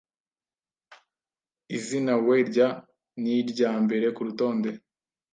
Izinawe rya ni irya mbere kurutonde.